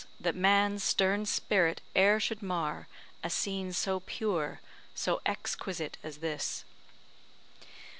that man's stern spirit e'er should mar A scene so pure so exquisite as this.